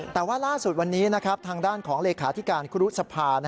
แต่ว่าล่าสุดวันนี้ทางด้านของเลขาธิการครุสภา